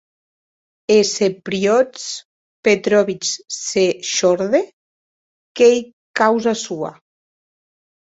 E se Piotr Petrovitch se shòrde, qu’ei causa sua.